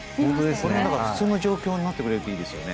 これが普通の状況になってくれるといいですよね。